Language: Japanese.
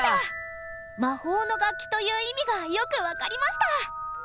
「魔法の楽器」という意味がよく分かりました。